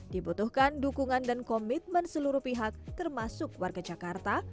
dibutuhkan dukungan dan komitmen seluruh pihak termasuk warga jakarta